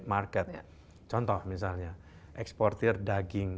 market contoh misalnya eksportir daging